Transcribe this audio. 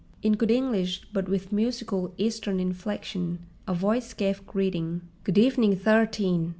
In good English but with musical Eastern inflection a voice gave greeting: "Good evening, Thirteen.